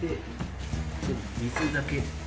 水だけ。